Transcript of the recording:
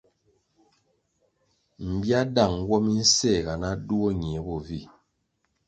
Mbiáh dang nwo mi nséhga na duo ñie bo vi.